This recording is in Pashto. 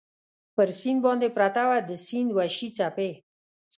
پر سیند باندې پرته وه، د سیند وحشي څپې.